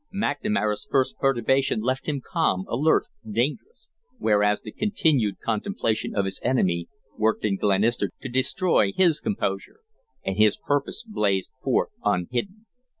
McNamara's first perturbation left him calm, alert, dangerous; whereas the continued contemplation of his enemy worked in Glenister to destroy his composure, and his purpose blazed forth unhidden.